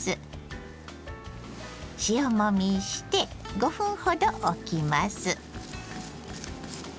塩もみして５分ほどおきます。